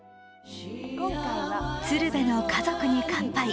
「鶴瓶の家族に乾杯」。